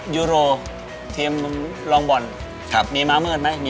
ยูโรทีมรองบอลมีม้ามืดไหม